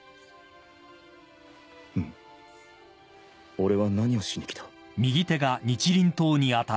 俺は何をしに来た？